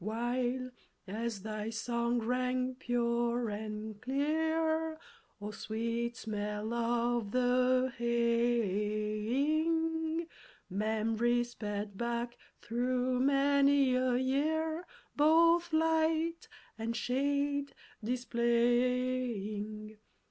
While, as thy song rang pure and clear O'er sweet smell of the haying, Mem'ry sped back through many a year, Both light and shade displaying.